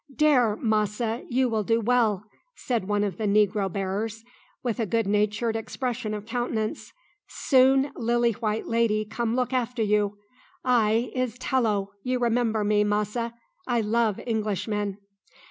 "Dare, massa, you will do well," said one of the negro bearers, with a good natured expression of countenance. "Soon lily white lady come look after you. I is 'Tello, you remember me, massa; I love Englishmen."